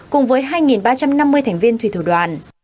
cùng với hai ba trăm năm mươi thành viên thủy thủ đoàn